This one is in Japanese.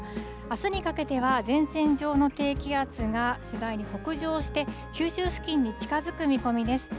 あすにかけては、前線上の低気圧が次第に北上して、九州付近に近づく見込みです。